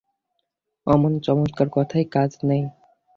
অমন চমৎকার কথায় কাজ নেই।